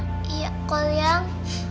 iya kau yang